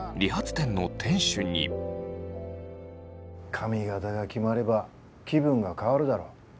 髪形が決まれば気分が変わるだろ。